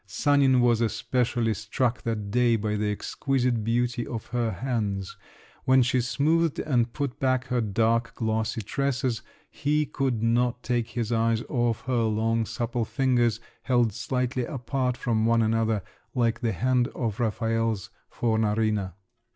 Sanin was especially struck that day by the exquisite beauty of her hands; when she smoothed and put back her dark, glossy tresses he could not take his eyes off her long supple fingers, held slightly apart from one another like the hand of Raphael's Fornarina.